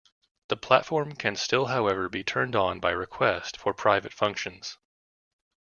The platform can still however be turned on by request for private functions.